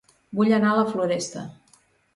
Vull anar a La Floresta